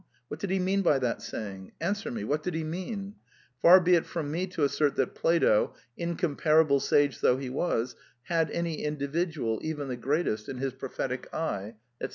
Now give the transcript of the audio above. What did he mean by that saying ? Answer me: what did he mean ? Far be it from me to assert that Plato, incom parable sage though he was, had any individual, even the greatest, in his prophetic eye," &c.